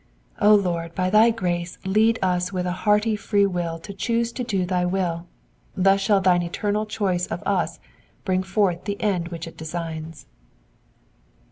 O Lord, by thy grace lead us with a hearty free will to choose to do thy will ; thus shaU thine eternal choice of us bring forth the end which it designs.